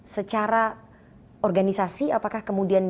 secara organisasi apakah kemudian